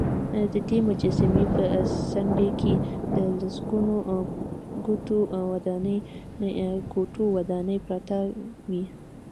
ددې مجسمې په څنډې کې د لسګونو کوټو ودانې پراته وې.